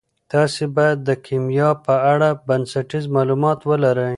تاسي باید د کیمیا په اړه بنسټیز معلومات ولرئ.